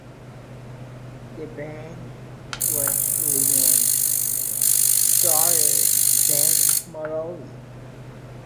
The bank was renamed Standard Bank Malawi.